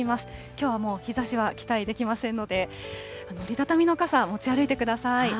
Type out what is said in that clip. きょうはもう、日ざしは期待できませんので、折り畳みの傘、持ち歩いてください。